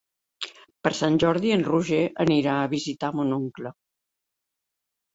Per Sant Jordi en Roger anirà a visitar mon oncle.